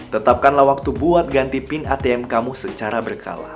tetapkanlah waktu buat ganti pin atm kamu secara berkala